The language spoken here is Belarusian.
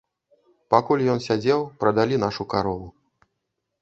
Пакуль ён сядзеў, прадалі нашу карову.